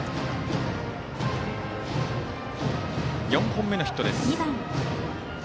４本目のヒットです。